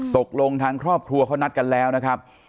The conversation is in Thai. ตกลงทางครอบครัวเขานัดกันแล้วนะครับ